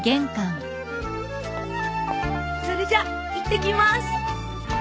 それじゃいってきます。